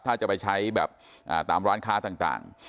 ถ้าจะไปใช้แบบตามร้านค้าต่าง